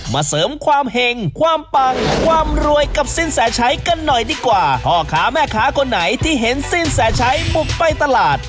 เสริมความเห็งความปังความรวยกับสินแสชัยกันหน่อยดีกว่าพ่อค้าแม่ค้าคนไหนที่เห็นสิ้นแสชัยบุกไปตลาด